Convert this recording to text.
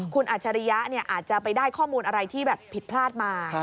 คุณอัจฉริยะอาจจะไปได้ข้อมูลอะไรที่แบบผิดพลาดมา